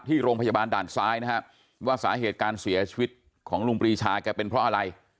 ที่โรงพยาบาลด่านซ้ายนะฮะว่าสาเหตุการเสียชีวิตของลุงปรีชาแกเป็นเพราะอะไร